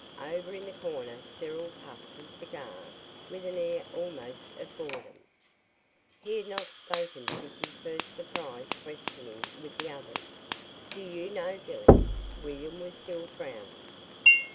Over in the corner Cyril puffed at his cigar with an air almost of boredom. He had not spoken since his first surprised questioning with the others, "Do you know Billy?" William was still frowning.